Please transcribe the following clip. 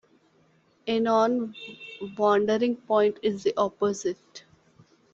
A non-wandering point is the opposite.